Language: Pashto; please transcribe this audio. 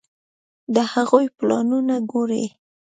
د هغوی پلانونه ګوري.